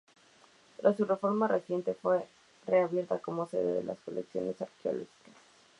Tras su reforma reciente, fue reabierta como sede de las colecciones arqueológicas.